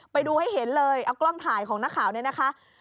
ไปดูให้เห็นเลยเอากล้องถ่ายของนักข่าวเนี่ยนะคะ